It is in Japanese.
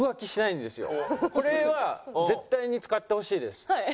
これは絶対に使ってほしいです。